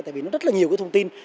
tại vì nó rất là nhiều cái thông tin